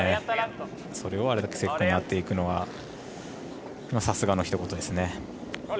それをあれだけ正確に狙っていくのはさすがのひと言ですね。